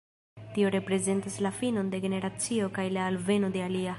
Tio reprezentas la finon de generacio kaj la alveno de alia.